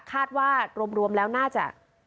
คาดว่ารวมเราน่าจะ